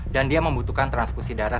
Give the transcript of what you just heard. dan dia membutuhkan transkusi darah